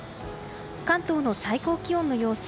関東の最高気温の様子。